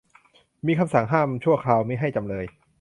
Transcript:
มีคำสั่งห้ามชั่วคราวมิให้จำเลย